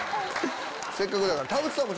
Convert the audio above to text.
せっかくやから。